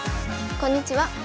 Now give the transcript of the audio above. こんにちは。